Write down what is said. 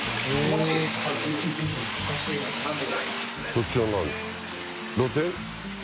そっちは何？